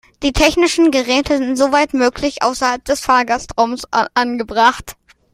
Die technischen Geräte sind, soweit möglich, außerhalb des Fahrgastraums angebracht.